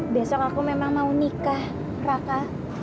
besok aku memang mau nikah raka